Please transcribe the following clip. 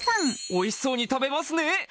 おいしそうに食べますね。